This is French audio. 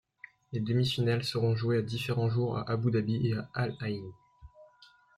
Les demi-finales seront jouées à différents jours à Abu Dhabi et à Al-Aïn.